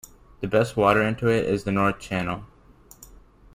The best water into it is the North channel.